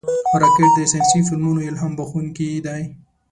راکټ د ساینسي فلمونو الهام بښونکی دی